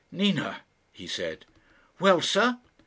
"Nina," he said. "Well, sir."